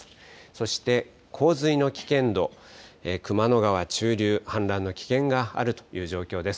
そして洪水の危険度、熊野川中流、氾濫の危険があるという状況です。